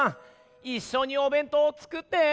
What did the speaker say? いっしょに「おべんとう」をつくって！